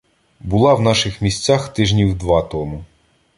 Була в наших місцях тижнів два тому.